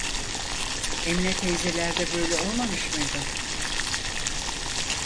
Emine teyzelerde böyle olmamış mıydım?